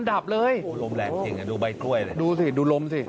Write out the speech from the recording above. ดูสิดูล้มสิ